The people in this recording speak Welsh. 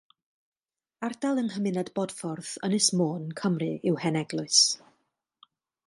Ardal yng nghymuned Bodffordd, Ynys Môn, Cymru yw Heneglwys.